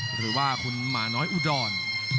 หรือว่าคุณหมาน้อยอุดร